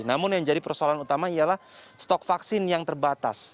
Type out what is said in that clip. namun yang jadi persoalan utama ialah stok vaksin yang terbatas